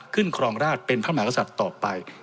ครองราชเป็นพระมหากษัตริย์ต่อไป